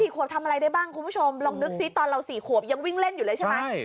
ขวบทำอะไรได้บ้างคุณผู้ชมลองนึกซิตอนเรา๔ขวบยังวิ่งเล่นอยู่เลยใช่ไหม